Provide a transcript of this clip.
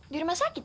di rumah sakit